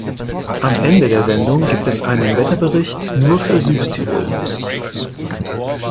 Am Ende der Sendung gibt es einen Wetterbericht nur für Südtirol.